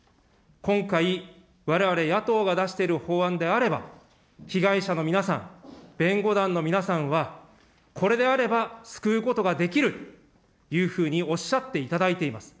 今回、われわれ、野党が出している法案であれば、被害者の皆さん、弁護団の皆さんは、これであれば救うことができるというふうにおっしゃっていただいています。